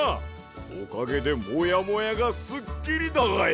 おかげでモヤモヤがすっきりだがや。